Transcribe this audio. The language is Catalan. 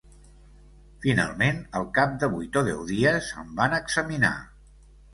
Finalment, al cap de vuit o deu dies em van examinar